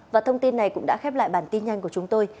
và thông tin này cũng đã khép lại bản tin nhanh của chúng tôi